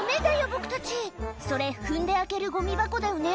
ボクたちそれ踏んで開けるゴミ箱だよね